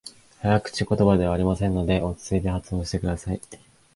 早口言葉ではありませんので、落ち着いて発音してください。